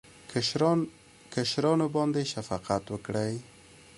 کشرانو باندې شفقت وکړئ